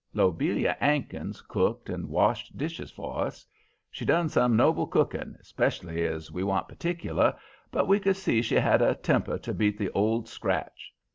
"Lobelia 'Ankins cooked and washed dishes for us. She done some noble cooking, 'specially as we wa'n't partic'lar, but we could see she had a temper to beat the Old Scratch.